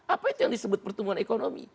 apa yang disebut pertumbuhan ekonomi